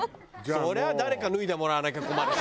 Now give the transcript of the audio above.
そりゃ誰か脱いでもらわなきゃ困るし。